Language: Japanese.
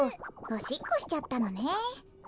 おしっこしちゃったのね。